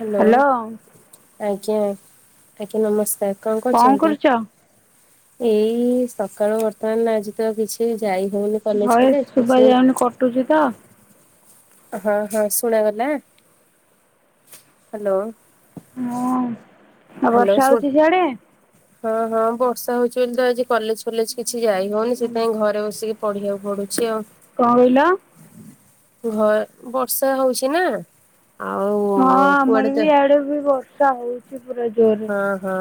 Hello ଆଜ୍ଞା ଆଜ୍ଞା ନମସ୍କାର କଣ କରୁଛନ୍ତି? ଏଇ ସକାଳୁ ବର୍ତ୍ତମାନ ଆଜି ତ କିଛି ଯାଇ ହଉନି କଲେଜ ଫଲେଜ କିଛି ଖୁସି ତ? ହଁ ହଁ ଶୁଣା ଗଲା ହ୍ୟାଲୋ। ହଁ। ହ୍ୟାଲୋ ଶୁଣୁ ହଁ ହଁ ବର୍ଷା ହଉଛି ବୋଲି ତ ଆଜି କଲେଜ ଫଲେଜ କିଛି ଯାଇ ହଉନି ସେଥିପାଇଁ ଘରେ ବସିକି ପଢିବାକୁ ପଡୁଛି ଆଉ। କଣ କହିଲ? ଘ ବର୍ଷା ହଉଛି ନା? ଆଉ? ହଁ କୁଆଡେ ଆମର ତ ବି ଆଡେ ବି ବର୍ଷା ହଉଛି। ପୁରା ଜୋରରେ ହଁ ହଁ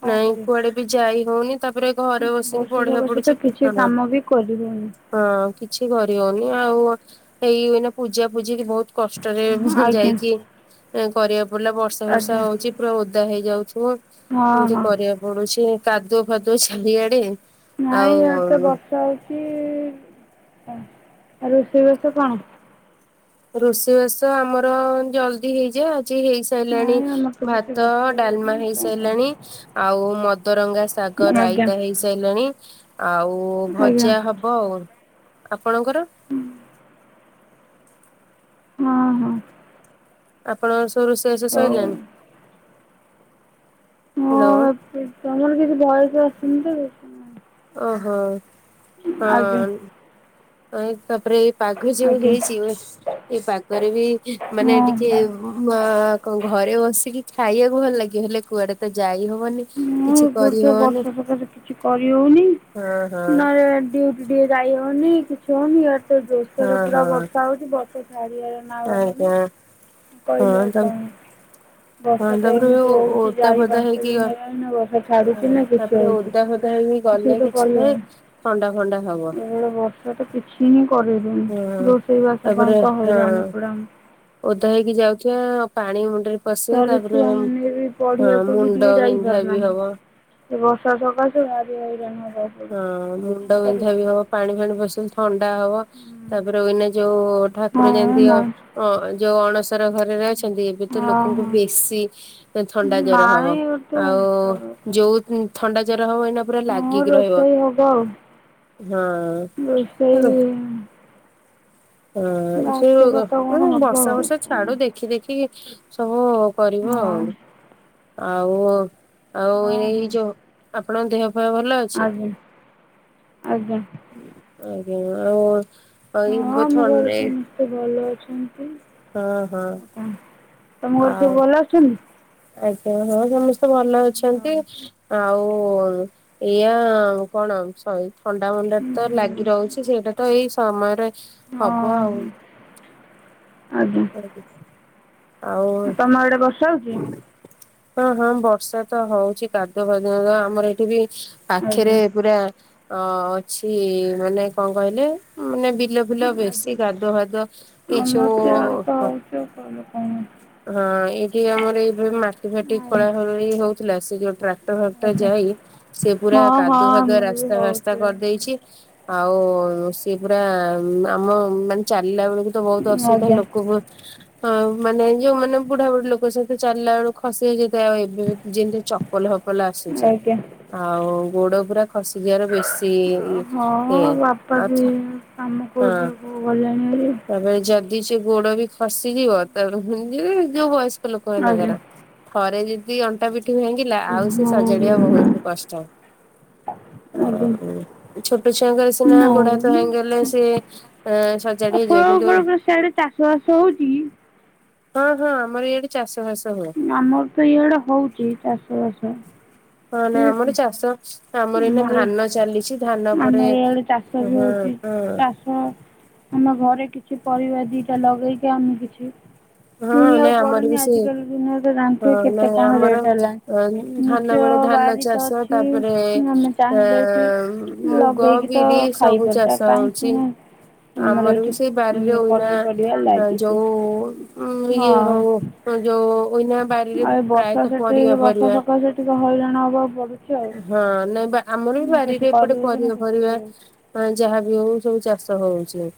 କଣ ନାଇଁ କରିବା? କୁଆଡେ ବି ଯାଇ ହଉନି ତାପରେ ଘରେ ବସିକି ବର୍ଷା ପଢିଆ ସକାଶେ ତ ପଢୁଛି କିଛି କୁଟଣ। କାମ ବି କରିହଉନି ହଁ କିଛି କରି ହଉନି ଆଉ ଏଇନା ପୂଜା ଫୂଜି ବହୁତ କ ଟରେ ମୁଁ ଆଜ୍ଞା ଯାଇକି କରିବାକୁ ପଡ଼ିଲା ବର୍ଷା ବର୍ଷା ଆଜ୍ଞା। ହଉଛି ପୁରା ଓଦା ହେଇଯାଉଥିବ। ହଁ ଏମିତି ହଁ କରିବାକୁ ପଡୁଛି କାଦୁଅ ଫାଦୁଅ ଚାରିଆଡ଼େ। ନାଇଁ ଇଆଡ଼େ ତ ବର୍ଷା ହେଉଛି ଆ ଆଉ ରୋଷେଇବାସ କଣ? ରୋଷେଇ ବାସ ଆମର ଜଲଦି ହେଇଯାଏ ଆଜି ହେଇସାରିଲାଣି ନାଇଁ ଆମର ତ କିଛି ଭାତ ରୋଷେଇ ଡାଲମା ହେଇନି କଣ କଣ ହେଇସାରିଲାଣି ଆଉ ମଦରଙ୍ଗା ଶାଗ ଆଜ୍ଞା ରାଇତା ହେଇ ସାଇଲାଣି ଆଉ ଆଜ୍ଞା ଭଜା ହବ ଆଉ ଆପଣଙ୍କର? ହଁ ହଁ। ଆପଣଙ୍କର ସବୁ ରୋଷେଇବାସ ସରିଲାଣି? ହଉ। ହ୍ୟାଲୋ। ତ ତମର କିଛି ଭୟେସ ଆସୁନିତ ସେଇଥିପାଇଁ। ଓହୋ ହଁ। ଆଜ୍ଞା ଅ ଏଇ ତାପରେ ଏଇ ପାଗ ଯୋଉ ଆଜ୍ଞା ହେଇଛି ଓ ଏଇ ପାଗରେ ବି ମାନେ ହଁ ଟିକେ ହଁ ମା କଣ ଘରେ ବସିକି ଖାଇବାକୁ ଭଲ ଲାଗିବ ହେଲେ କୁଆଡେ ତ ଯାଇ ହବନି। ମୁଁ କିଛି ଏପଟ ତ କରିହବନି ବର୍ଷା ସକାଶେ କିଛି କରିହଉନି ହଁ ହଁ ନା ଏ ଡ୍ୟୁ ଟିକେ ଯାଇ ହଉନି କିଛି ହଉନି। ଇଆଡେ ତ ଜୋର ସୋରେ ହଁ ପୁରା ହଁ ବର୍ଷା ହଉଛି ବର୍ଷା ଚାରି ଆଡେ଼ ନାଳ ନମି ଆଜ୍ଞା ହଁ କହିଲେ ଆଉ ତା କଣ। ହଁ ବର୍ଷା ତ ତାପରେ ଏମିତି ହଉଛି ଓଦା ଚାରି ଫୋଦା ପାଞ୍ଚ ହେଇକି ଦିନି ହେଲାଣି ଆଉ ବର୍ଷା ତ ହଁ ତାପରେ ଓଦା ଫୋଦା ହେଇକି ଗଲେ କିଛି ନାହିଁ ଥଣ୍ଡା ଫଣ୍ଡା ହବ। ହେଲେ ବର୍ଷା ତ କିଛି ହିଁ କରେଇ ହଁ ଦଉନି। ରୋଷେଇ ବାସ ପାଇଁ ତ ହେଇରାଣ ପୁରା ଉଁ ଓଧା ହେଇକି ଯାଉଥିବା ଆଉ ପାଣି ମୁଣ୍ଡରେ ପଶିବ ତାପରେ ଅମ ଛୁଆମାନେ ବି ହଁ ପଢ଼ିବାକୁ ବି ମୁଣ୍ଡ ଟିକେ ବିନ୍ଧା ବି ଯାଇପାରୁନାହାନ୍ତି। ହବ। ଏ ବର୍ଷା ସକାସେ ଭାରି ହଇରାଣ ହେବାକୁ ହଁ ମୁଣ୍ଡ ବିନ୍ଧା ବି ହବ ପାଣି ଫାଣି ବସିଲ ଥଣ୍ଡା ହବ। ତାପରେ ଉଇନା ଯୋଉ କଣ ଠାକୁର କରିବୁ ହଁ ଯେମିତି ମ ଅ ଯୋଉ ଅଣଶ ର ଘରେ ରହିବେ ଏବେ ତ ଲୋକଙ୍କୁ ଓହୋ। ବେଶୀ ଥଣ୍ଡା ଜର ହବ। ନାଇଁ ତୁ ଆଉ ଯୋଉ ଥଣ୍ଡା ଜର ହବ ଏଇନା ପୁରା ହଁ ଲାଗିକି ରହିବ ରୋଷେଇ ହବ ଆଉ। ହଁ। ରୋଷେଇ ହଁ। ସେ ଭାତ ଯୋଗ୍ ଫାତ କଣ ମାନେ ହବ ବର୍ଷା ଆଉ। ବର୍ଷା ଛାଡୁ ଦେ ଦେଖି ଦେଖିକି ସବୁ କରିବ ଆଉ। ହଁ ଆଉ ଆଉ ହଁ ଏଇ ହଁ ଯୋ ଆପଣଙ୍କ ଦେହ ଫେହ ଭଲ ଅଛି? ଆଜ୍ଞା ଆଜ୍ଞା। ଆଜ୍ଞା ଆଉ ହଁ ଏଇ ଆମ ଘରେ ଥଣ୍ଡା ସମସ୍ତେ ଭଲ ଅଛନ୍ତି। ହଁ ହଁ। ତମ ଘରେ ସବୁ ଆଉ ଭଲ ଅଛନ୍ତି? ଆଜ୍ଞା ହଁ ସମସ୍ତେ ଭଲ ହଁ ଅଛନ୍ତି। ଆଉ ଏଇଆ ଆଉ କଣ? ହଉ ଏଇ ଥଣ୍ଡା ମଣ୍ଡା ତ ହୁଁ। ଲାଗି ରହୁଛି ସେଇଟା ତ ଏଇ ସମୟରେ ହବ ହଁ ଆଉ। ଆଜ୍ଞା। ଆଉ ତମ ଆଡେ ବର୍ଷା ହଉଛି? ହଁ ହଁ ବର୍ଷା ତ ହଉଛି। କାଦୁଅ ଫାଦୁଅ ଆମର ଏଠି ବି ଆଜ୍ଞା ପାଖରେ ପୁରା ଅ ଅଛି ମାନେ କଣ କହିଲେ ମାନେ ବିଲ ବିଲ ଆଜ୍ଞା ବେଶୀ କାଦୁଅ ଫାଦୁଅ ଏ ଆମର ଯୋଉ ତ ଇଆଡ଼େ ତ ହଁ ହେଉଛି ଆଉ କହିଲେ କ'ଣ ଏଇଠି ଆମର ଏ ମାଟି ଫାଟି ଖୋଳା ଖୋଳି ହଉଥିଲା ସେ ଯୋଉ ଟ୍ରାକ୍ଟର ଫାକ୍ଟର ଆଜ୍ଞା ଯାଇ ସେ ପୁରା ହଁ ହଁ କାଦୁଆ ଫାଦୁଆ ଆମର ବି ରାସ୍ତା ଫାସ୍ତା ହେଉଛି କରିଦେଇଛି। ଆଉ ସିଏ ପୁରା ଆମ ମାନେ ଚାଲିଲା ବେଳକୁ ତ ବହୁତ ଅସୁବିଧା ଆଜ୍ଞା ଲୋକକୁ। ମାନେ ଯୋଉମାନେ ବୁଢାବୁଢୀ ଲୋକ ଚାଲିଲା ବେଳକୁ ଖସି ଯାଉଛି ଆଉ ଏବେ ଯେମିତି ଚପଲ ଫପଲ ଆସୁଛି। ଆଜ୍ଞା ଆଉ ଗୋଡ ପୁରା ଖସିଯିବାର ବେଶୀ ଇଏ। ଆଚ୍ଛା ମାମୁଁ କୋର୍ଟ କୁ ଗଲେଣି ହେରି। ତାପରେ ଯଦି ସେ ଗୋଡ ବି ଖସିଯିବ ତା ପରେ ହିମିତି ଯୋଉ ବୟସ୍କ ଲୋକ ଆଜ୍ଞା ମାନଙ୍କର ଥରେ ଯଦି ଅଣ୍ଟା ପିଠି ଭାଙ୍ଗିଲା ଆଉ ସେ ସଜାଡିବା ହଁ ବହୁତ କଷ୍ଟ। ଆ ଆଜ୍ଞା ଛୋଟ ଛୁଆଙ୍କର ସିନା ଗୋଡ ହାତ ନାଇଁ ଭାଙ୍ଗିଗଲେ ସେ ସଜାଡି ହେଇଯିବ କିନ୍ତୁ ଆପଣଙ୍କର ସିଆଡ଼େ ଚାଷ ବାସ ହେଉଛି ହଁ ହଁ ଆମର ଇଆଡେ ଚାଷଫାସ ହୁଏ। କି ଆମର ତ ଇଆଡେ ହଉଛି ଚାଷ ବାସ। ହଁ ନାଇ ଠିକ୍ ଆମର ଅଛି ଚାଷ ଆମର ଏଇନା ଧାନ ଚାଲିଛି ଧାନ ପରେ। ଆମର ହଁ ହଁ। ହଁ ଆମ ଘରେ କିଛି ପରିବା ଦିଟା ଲଗେଇକି ଆମେ କିଛି ହଁ ନାଇଁ କିଣିବାକୁ ଆମର ପଡ଼ୁନି ବି ସେ ଆଜିକାଲି ଦୁନିଆରେ ତ ଜାଣିଥିବେ ହଁ କେତେ ନାଇଁ କ'ଣ ଆମର ରେଟ୍ ହେଲାଣି ଧାନ ନିଜ ବେଳେ ଧାନ ବାରି ତ ଚାଷ ଅଛି ତାପରେ ଆମେ ଚାହିଁଲେ ଏଠି ଏଁ ମୁଗ, ଲଗେଇକି ତ ବିରି ସବୁ ଖାଇପାରୁଛୁ ଚାଷ ଆଉ କାହିଁ ହଉଛି। କିଣା ଆମର ବି ସେଇ ବାରିରେ ଉଁନା ପନିପରିବା ଲାଗିଛି ଯୋଉ ଉଁ ହଁ ଇଏ ଆଉ ହଉ ଯୋଉ ଉଇନା ବାରିରେ ଏ ବର୍ଷା ପ୍ରାୟତଃ ସେଠି ପରିବା ବର୍ଷା ଫରିବା। ସକାଶେ ଟିକେ ହଇରାଣ ହେବାକୁ ପଡିଚି। ହଁ ନାଇଁ ବା ଆମର ବି ବାରିରେ ଏପଟେ କରିହେଉଛି ନା ପରିବା କିଛି ଫରିବା ହେଇଯାଉଛି ନାଇଁ ଯାହା ବି ହଉ ସବୁ ଚାଷ ହଉଛି।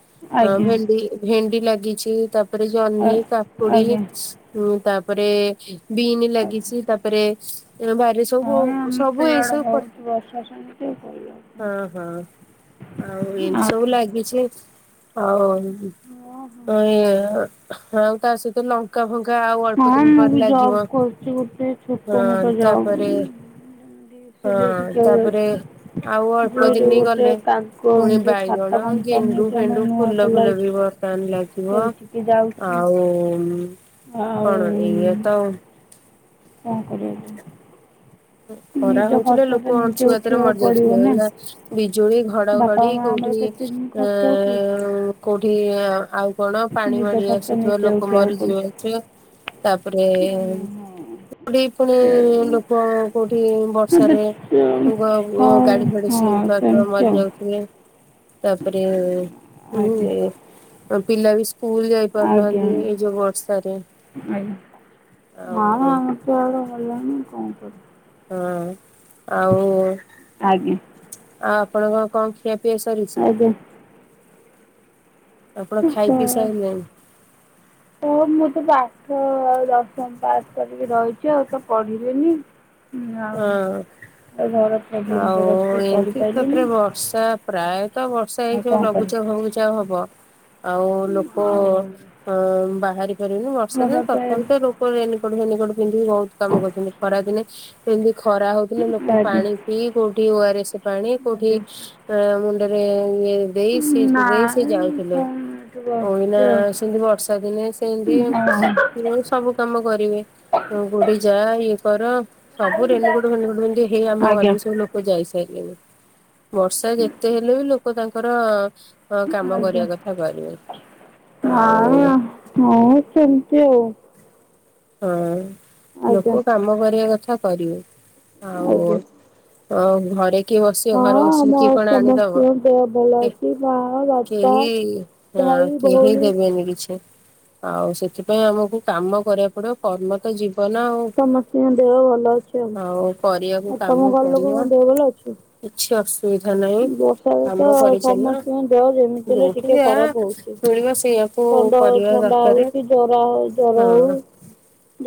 ହଁ ଆଜ୍ଞା ଭେଣ୍ଡି ଭେଣ୍ଡି ଲାଗିଛି ତ ତାପରେ ଜହ୍ନି, କାକୁଡି ଆଜ୍ଞା ତାପରେ ବିନ ଆଜ୍ଞା ଲାଗିଛି ତାପ ରେ ତାପରେ ବାରିରେ ସବୁ ହଁ ଆମର ତ ସବୁ ଏଇ ଇଆଡ଼େ ସବୁ ପରିବା। ହେଉଛି ବର୍ଷା ସେମିତି ଆଉ କରିବା କଣ ହଁ ହଁ। ଆଉ ଏମିତି ସବୁ ଆଜ୍ଞା ଲାଗିଛି, ଆଉ ଓହୋ ଅ ଇଁଏ ଆ ଆଉ ତା, ସହିତ ଲଙ୍କା ଫଙ୍କା ଆଉ ଅଳ୍ପ ହଁ ଦିନ ମୁଁ ପରେ ବି ଲାଗିବ। ଜବ କରୁଛି, ଗୋଟେ ହଁ ଛୋଟ ମୋଟ ଜବ। ତାପରେ [inaudible] ହଁ ତାପରେ ଆଉ ଅଳ୍ପ ଦୁଇରେ ଦିନ ଗୋଟେ ଗଲେ ପୁଣି କାଗଜ ଖାତା ବାଇଗଣ, କମ୍ପାନୀ ଗେଣ୍ଡୁ ଏଠି ଆମର ଫେଣ୍ଡୁ ନୂଆ ଫୁଲ ଖୋଲା ଫୁଲ ହେଇଛି ବି ଦାମ ଲାଗିବ ସେଇଠିକି ଯାଉଛି ଆଉ ଆଉ କଣ ଏଇଆ ତ ଆଉ କଣ କରିବା କୁହ? ଖରା ହଉଥିଲେ ତ ଲୋକ ନିଜେ ଅଂଶୁଘାତରେ ଉଠେଇବାକୁ ପଡ଼ିବ ମରିଯାଉଥିଲେ ନା ବିଜୁଳି ବାପା ଘଡଘଡି ମା ଆମର କୋଉଠି ଏଁ କେତେ ଖର୍ଚ୍ଚ ଉଠେଇବେ ଉଁ କୋଉଠି ଆ ଆଉ ବଡ ପାଣି ନିଜ ମାଡି ଖର୍ଚ୍ଚ ଆସୁଥିବ ନିଜେ ଲୋକ ଉଠେଇବାକୁ ମରିଯିବ ପଛେ ତାପରେ ପଡ଼ୁଛି ଦିପହରେ ସେଇ ଲୋକ କୋଉଠି ମୋତେ ବର୍ଷାରେ ଛଅ ବ ଓ ଗାଡି ଫାଡି ହଁ ସ୍ଲିପ କରିଥିବ ସେମିତି ମରି ଆଉ ଯାଉଥିଲେ। ତାପରେ, ଉଁ ଆଜ୍ଞା ଏ ଅ ପିଲା ବି ସ୍କୁଲ ଯାଇ ଆଜ୍ଞା ଆଜ୍ଞା କରୁନାହାନ୍ତି ଏଇ ଯୋଉ ବର୍ଷାରେ ଆଉ ଜର ହେଲା, ମୁ କଣ କରିବି? ହଁ ଆଉ ଆଜ୍ଞା। ଆଉ ଆପଣଙ୍କ କଣ ଖିଆପିଆ ସରିଛି? ଆଜ୍ଞା ଆପଣ ଖାଇପିଇ ସାରିଲେଣି? ହଁ, ମୁଁ ତ ପାଠ ଆଉ ଦଶମ ପାସ କରିକି ରହିଛି ଆଉ ତ ପଢିବେନି? ହଁ। [inaudible] ଆଉ ଟିକେ ଏମତି ପଢ଼ିପାରିଲିନି ତାପରେ ବର୍ଷା ପ୍ରାୟତଃ ବର୍ଷା ଆଉ ହେଇକି କ'ଣ ଲଘୁଚାପ ଫଘୁଚାପ ହବ। ଆଉ ଲୋକ କରିବି ଆଉ ଅ ବାହାରି ପାରିବେନି ବର୍ଷାରେ ଘର ତଥାପି ତ ଏବେ ଲୋ ରେନକୋଟ ଫେନିକୋଟ ପିନ୍ଧିକି ବହୁତ କାମ କରୁଛନ୍ତି, ଖରା ଦିନେ ପିନ୍ଧି ଖରା ହଉ ଥିଲେ ଲୋକ ଆଜ୍ଞା ପାଣି ପିଇ କୋଉଠି ଓଆରେସ୍ ପାଣି କୋଉଠି ଆଜ୍ଞା ଏଁ ମୁଣ୍ଡରେ ଏ ଦେଇ ସେ ଦେଇ ସେ ଦେଇ ନାଇଁ ଯାଉଥିଲେ, କ'ଣ ଏଠି ଓଇନା ବସିଛି ଆଉ ସେମିତି ବର୍ଷା ଦିନେ ସେମିତି ହଁ ମୁଁ ସବୁ କାମ କରିବି, [inaudible] ଇଏ କର ସବୁ ରେନିକୋଟ ଫେନିକୋଟ ପିନ୍ଧି ହେଇ ଆମ ଆଜ୍ଞା ଘରେ ବି ସବୁ ଲୋକ ଯାଇ ସାରିଲେଣି। ବର୍ଷା ଯେତେ ହେଲେବି ଲୋକ ତାଙ୍କର କାମ ଆଜ୍ଞା। କରିବା କଥା କରିବେ, ଆଉ ନାଇଁ ହଁ ସେମିତି ଆଉ। ହଁ ଆଜ୍ଞା ଲୋକ କାମ କରିବା କଥା କରିବେ। ଆଉ ଆଜ୍ଞା। ତ ଘରେ କିଏ ବସିବ ହଁ ଘରେ ବସିଲେ ଆମ କିଏ କଣ ଆଣିଦବ ସମସ୍ତଙ୍କ ଦେହ ଭଲ ଅଛି ମା ବାପା କେହି ହଁ ଭାଇ କେହି ଭଉଣୀ ଦେବେନି କିଛି। ଆଉ ସେଥିପାଇଁ ଆମକୁ କାମ କରିବାକୁ ପଡିବ। କର୍ମ ତ ଜୀବନ ଆଉ ସମସ୍ତଙ୍କ ଦେହ ଭଲ ଅଛି ଆଉ। କରିବାକୁ ଆଉ କାମ ତମ ଘର ପଡିବ ଲୋକଙ୍କ ଦେହ ଭଲ ଅଛି? କିଛି ଅସୁବିଧା ନାହିଁ। ବର୍ଷାରେ କାମ ତ କରିଚାଲ ସମସ୍ତଙ୍କ ଦେହ ଯେମିତି ହେଲେ ଯୋଉଠି ଟିକେ ଯାହା ଖରାପ ହଉଛି। ମିଳିବ ସେଇଆକୁ ଥଣ୍ଡା ହ କରିବା ଥଣ୍ଡା ଦରକାର ହଉ କି ଜର ହ ଜର ହଉ। ହଁ।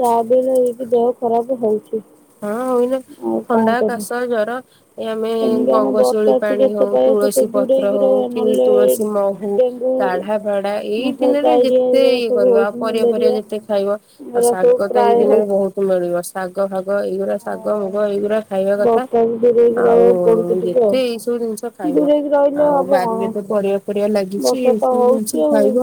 ଯାହା ବି ହେଲେ ଏଠି ଦେହ ଖରାପ ହଉଛି। ହଁ ହଉନ ଆଉ କଣ ଥଣ୍ଡା କରିବି। କାଶ ଜର ଏ ଆମେ ତେଣିକି ଆମେ ଗଙ୍ଗଶୂଳୀ ବର୍ଷାକୁ ପାଣି ଯେତେ ହଉ ପାରିବା ସେତେ ତୁଳସୀ ପତ୍ର ଦୂରେଇକି ହଉ ରହିବା କି ନହେଲେ ତୁଳସୀ ମହୁ ହୁ ଡେଙ୍ଗୁ କାଢା ଫାଢା ଏଇ ମଶା ଦିନରେ ଡାଇରିଆ ଯେତେ ଏଗୁରା ଇଏ ସବୁ କରିବ ହଉଛି ଆଉ ପରିବା ପରିବା ମ୍ୟାଲେରିଆ ଯେତେ ଖାଇବ ଆଉ ଏଗୁରା ସବୁ ଶାଗ ତ ଏଇ ପ୍ରାୟ ଦିନରେ ହଉଛି। ବହୁତ ମିଳିବ ଶାଗ ଫାଗ ଏଇଗୁଡା ଶାଗ ଆଉ ମୁଗ ଏଇଗୁଡା ଖାଇବା କଥା ବର୍ଷାକୁ ଦୂରେଇକି ଆଉ ରହିବାକୁ ପଡୁଛି ଟିକେ ଆଉ। ଯେତେ ଏଇ ସବୁ ଜିନିଷ ଖାଇବ ଦୂରେଇକି ରହିଲେ ଆଉ ହବ କଣ ବାରିରେ ତ ପରିବା ପରିବା ଲାଗିଛି ବର୍ଷା ତ ଏସବୁ ଜିନିଷ ହଉଛି ଆଉ ଖାଇବ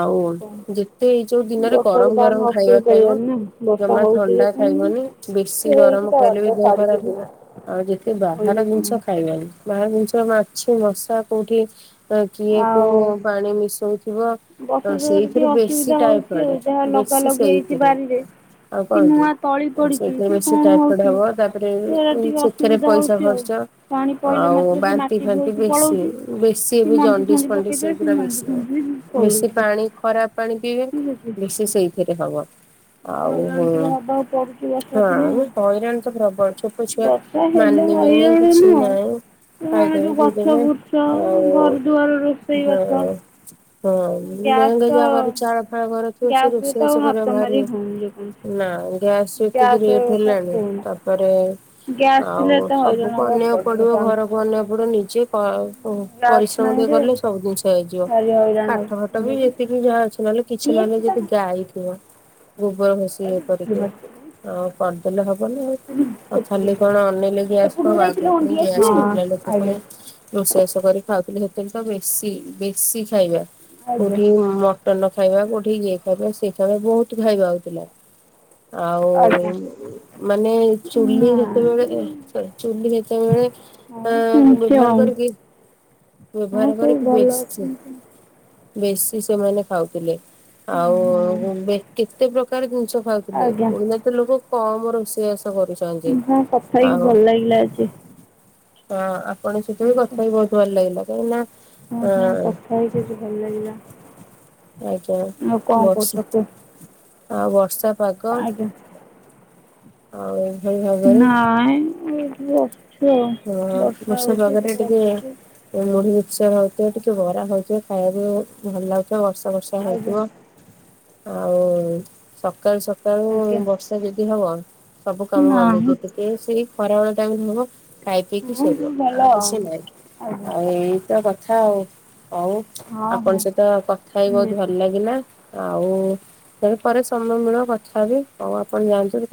ଆଉ କଣ। ଯେ ତେ ଏଇ ଯୋଉ ଦିନରେ ବର୍ଷାକୁ ଗରମ ତ ଆମେ ଗରମ ଅଟକେଇ ଖାଇବା ଖାଇବ ପାରିବାନି ନା ବର୍ଷା ଜମା ହଉଛି ଯେ ଥଣ୍ଡା କେମିତି ଖାଇବନି। ବେଶୀ ସିଏ ଗରମ ତା ଖାଇଲେ ବି ବାଟ ଦେହ ଛାଡିକି ଖରାପ। ଯିବ ଆଉ ଯେତେ ବାହାର କହିଲେ ଜିନିଷ କଣ ଖାଇ ଖାଇବନି ବାହାର ଜିନିଷ ମାଛି, ମଶା କୋଉଠି କିଏ ଆଉ କୋଉ ପାଣି ମିଶଉ ଥିବ ତ ବର୍ଷା ଯୋଗୁ ଟିକେ ସେଇଥିରେ ବେଶୀ ଅସୁବିଧା ହଉଛି ଆଉ ଟାଇଫଏଡ ଯାହା ଲଗା ବେଶୀ ଲଗି ହେଇଛି ସେଇଥିରେ ବାରିରେ ଆଉ କଣ କି? ନୂଆ ତଳି ପଡିଛି ସେଇଥିରେ କି ବେଶୀ କଣ ଟାଇଫଡ ହଉଛି ହବ ତାପରେ ସେରା ଟିକେ ସେଥିରେ ଅସୁବିଧା ପଇସା ହଉଛି ଆଉ। ଖର୍ଚ। ପାଣି ପଇଲେ ଆଉ ମାତ୍ରେ ସେ ବାନ୍ତି ମାଟି ଫାନ୍ତି ବୋହିକି ବେଶୀ ପଳଉଛି। ବେଶୀ କି ଏବେ ମଞ୍ଜି ଜଣ୍ଡିସ୍ ଫଞ୍ଜି ଫଣ୍ଡିସ ପକେଇଦେଲେ ସେ ଏବେ ମଞ୍ଜି ବେଶୀ ହବ। ଫଞ୍ଜି ବି ବେଶୀ ପଳଉଛି ପାଣି ଖରାପ ପାଣି ପିଇବେ ଠିକ୍ ଅଛି। ବେଶୀ ସେଇଥିରେ ହବ। ହଇରାଣ ଟିକେ ହବାକୁ ପ ନାଇଁ ହଇରାଣ ତ ପ୍ରବଳ ଛୋଟ ଛୁଆ ବର୍ଷା ହେଲେ ମାନିବେନି ହଇରାଣ କିଛି ନୁହଁ ନାଇଁ ତେଣୁ ଆମେ ଖାଇଦେବେ ଯୋଉ ଗଛ ପିଦେବେ ବୁର୍ଛ ଆଉ ଘର ଦୁଆର ରୋଷେଇ ବାସ ଦେହ ଗ୍ୟାସ୍ ନାଇଁ ଗାଁ ତ ଯା ଘର ଚାଳଫାଳ ଘର ଥିବ ସେ ଗ୍ୟାସ୍ ରେ ତ ଆଉ ରୋଷେଇବାସ ହାତ କରିବାକୁ ମାରି ବାହାରିବେ। ହଉନି ଯେକୌଣସି ନା ଗ୍ୟାସ ଯେତିକି ଗ୍ୟାସ୍ ରେଟ କଥା ହେଲାଣି କୁହନା। ତାପରେ ଗ୍ୟାସ୍ ଥିଲେ ଆଉ ଏତେ ହଇରାଣ ସବୁକୁ ହବାକୁ ଅନେଇବାକୁ ପଡିବ ପଡିନଥାନ୍ତା। ଘରକୁ ଅନେଇବାକୁ ପଡିବ ନିଜେ ପ ଗ୍ୟାସ୍ ପରିଶ୍ରମ ନାହିଁ ଟିକେ ଯେ କଲେ ସବୁ ଜିନିଷ ହେଇଯିବ। ଭାରି ହଇରାଣ କାଠ ଫାଟ ବି ହଉଚି ଯେତିକି ଯାହା ଅଛି ନହେଲେ କିଛି ଡିଏସ୍ ନହେଲେ ବା ଯଦି ଗାଇ ଥିବ ଗୋବର ଘଷି ଇଏ କରିକି କରିଦେଲେ ହବ ନା ଆଉ ଖାଲି କଣ ଅନେଇଲେ ଗ୍ୟାସକୁ ସେପଟକୁ ଯାଇଥିଲ ଆଗରୁ ହଁ ପୁଣି ଗ୍ୟାସ ନଥିଲା ଲୋକ ପୁଣି ଆଜ୍ଞା ରୋଷେଇ ବାସ କରି ଖାଉଥିଲି ସେତେବେଳେ ତ ବେଶୀ ବେଶୀ ଖାଇବା ଆଜ୍ଞା କୋଉଠି ତ ଖାଇବା କୋଉଠି ଇଏ ଖାଇବା ସିଏ ଖାଇବା ବହୁତ ଖାଇବା ହଉଥିଲା। ଆଉ ଆଜ୍ଞା। ମାନେ ଚୁଲି ଯେତେବେଳେ ନାଇଁ ସରି ଚୁଲି ସେତେବେଳେ ଅ ବ୍ୟବହାର କରିକି ବ୍ୟବହାର ସମସ୍ତେ କରିକି ଭଲ ବେଶୀ ଅଛନ୍ତି। ବେଶୀ ସେମାନେ ଖାଉଥିଲେ। ଆଉ ହଁ ବେ କେତେ ପ୍ରକାର ଜିନିଷ ଖାଉଥିଲେ। ଆଜ୍ଞା ଏବେ ତ ଲୋକ କମ ରୋଷେଇ ବାସ କରୁଛ ତୁମ୍ଭ କଥା ହେଇକି ଭଲ ଲାଗିଲା ଆଜି। ହଁ ଆପଣଙ୍କ ସହିତ ବି କଥା ହେଇକି ବହୁତ ଭଲ ଲାଗିଲା କାହିଁକି ନା ତମ ସାଙ୍ଗରେ ହଁ କଥା ହେଇକି କିଛି ଭଲ ଲାଗିଲା। ଆଜ୍ଞା ଆଉ କଣ କରୁଛ ବର୍ଷେ। କୁହ ଆଉ ବର୍ଷା ପାଗ ଆଜ୍ଞା। ହଉ ସେଇ ଭାଇ [unintelligible] ନାଇଁ ଏଇଠି ବସିଛୁ‌ ଆଉ। ଅ ବର୍ଷା ହଉଛି ଏଠି ପାଗରେ ଟିକେ ବସିଛୁ। ମୁଢି ମୁଢ଼ି ମିକ୍ସଚର ହଉଥିବ ଟିକେ ବରା ହଉଥିବ ଖାଇବାକୁ ଭଲ ଲାଗୁଥିବ ବର୍ଷା ବର୍ଷା ଆଜ୍ଞା ହଉଥିବ। ଆଉ ସକାଳୁ ସକା ଳୁ ଆଜ୍ଞା ବର୍ଷା ଯଦି ହବ ସବୁ କାମ ବନ୍ଦ ନାହିଁ ହେଇଯିବ। ଟିକେ ସେଇ ଖରାବେଳେ ଟାଇମରେ ହବ ଖାଇ ପିଇକି ହଁ ଶୋଇବ ଭଲ ଆଉ କିଛି ନହିଁ। ଆଜ୍ଞା ଆଉ ଏଇତ କଥା ଆଉ। ହଉ ହଁ ହଁ ଆପଣଙ୍କ ସହିତ କଥା ହେଇ ବହୁତ ନିହାତି ଭଲ ଲାଗିଲା। ଆଉ ସେ ପରେ ସମୟ ମିଳୁ କଥା ହେବି। ଆଉ ଆପଣ ଯାଆନ୍ତୁ